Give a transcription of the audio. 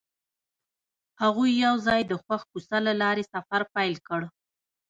هغوی یوځای د خوښ کوڅه له لارې سفر پیل کړ.